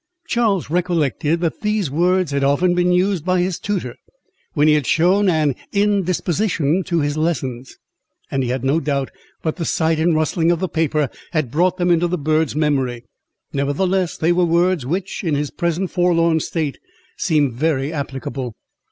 Charles recollected that these words had often been used by his tutor, when he had shewn an indisposition to his lessons; and he had no doubt but the sight and rustling of the paper had brought them into the bird's memory; nevertheless, they were words which, in his present forlorn state, seemed very applicable.